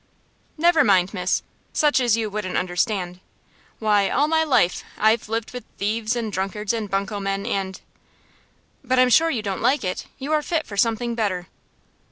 "Never mind, miss, such as you wouldn't understand. Why, all my life I've lived with thieves, and drunkards, and bunco men, and " "But I'm sure you don't like it. You are fit for something better."